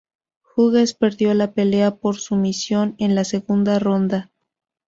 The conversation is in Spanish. Hughes perdió la pelea por sumisión en la segunda ronda.